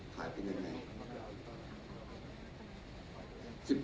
ถ่ายเป็นไหน